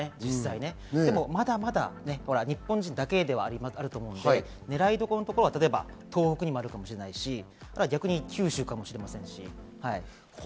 でも、まだまだ日本人だけだと思うので、狙いどころのところは東北にもあるかもしれないし、逆に九州かもしれませんし。